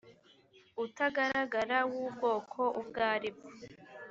utagaragara w ubwoko ubwo aribwo